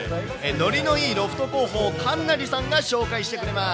ノリのいいロフト広報、神成さんが紹介してくれます。